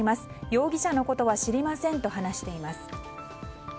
容疑者のことは知りませんと話しています。